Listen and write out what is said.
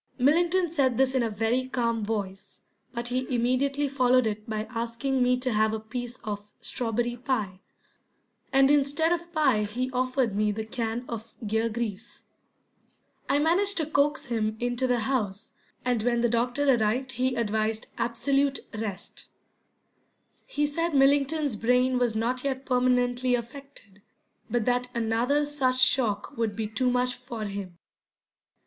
Millington said this in a very calm voice, but he immediately followed it by asking me to have a piece of strawberry pie, and instead of pie he offered me the can of gear grease. I managed to coax him into the house, and when the doctor arrived he advised absolute rest. He said Millington's brain was not yet permanently affected, but that another such shock would be too much for him.